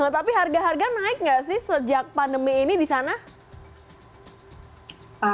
tapi harga harga naik nggak sih sejak pandemi ini di sana